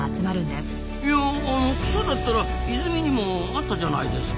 いやあの草だったら泉にもあったじゃないですか。